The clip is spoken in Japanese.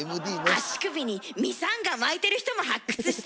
足首にミサンガ巻いてる人も発掘した！